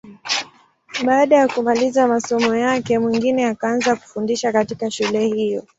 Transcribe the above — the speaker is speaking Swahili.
Baada ya kumaliza masomo yake, Mwingine akaanza kufundisha katika shule hiyo.